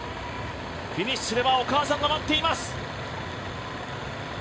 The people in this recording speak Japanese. フィニッシュすればお母さんが待っています。